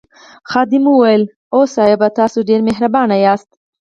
خادم وویل اوه صاحبه تاسي ډېر مهربان یاست.